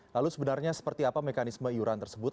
lalu sebenarnya seperti apa mekanisme iuran tersebut